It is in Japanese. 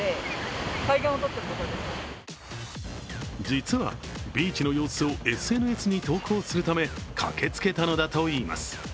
実は、ビーチの様子をＳＮＳに投稿するため駆けつけたのだといいます。